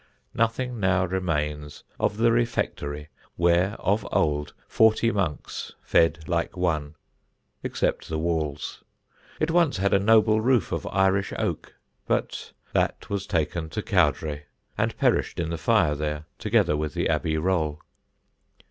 Nothing now remains of the Refectory, where, of old, forty monks fed like one, except the walls. It once had a noble roof of Irish oak, but that was taken to Cowdray and perished in the fire there, together with the Abbey roll.